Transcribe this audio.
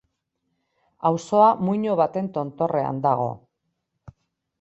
Auzoa muino baten tontorrean dago.